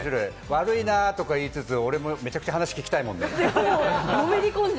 悪いなとか言いつつ、俺もめちゃくちゃ話聞きたいもんね。